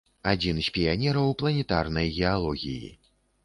Адзін з піянераў планетарнай геалогіі.